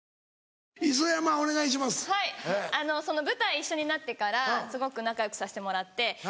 舞台一緒になってからすごく仲よくさせてもらって。